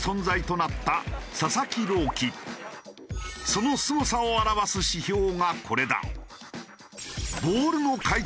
そのすごさを表す指標がこれだ。